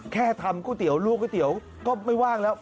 แค่ทำก๋วยเตี๋ยลวกก๋วยเตี๋ยวก็ไม่ว่างแล้ว